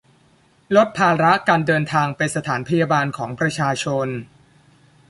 ลดภาระการเดินทาง ไปสถานพยาบาลของประชาชน